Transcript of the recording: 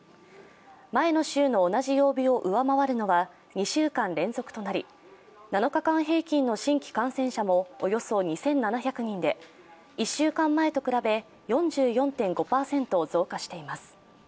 前の週の同じ曜日を上回るのは２週間連続となり７日間平均の新規感染者もおよそ２７００人で１週間前と比べ４４．５％増加しています。